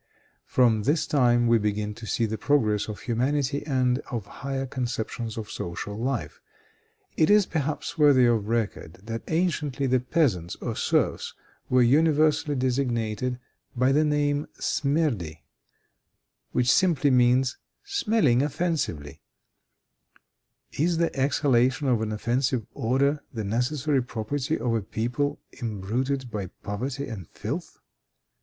From this time we begin to see the progress of humanity and of higher conceptions of social life. It is, perhaps, worthy of record that anciently the peasants or serfs were universally designated by the name smerdi, which simply means smelling offensively. Is the exhalation of an offensive odor the necessary property of a people imbruted by poverty and filth?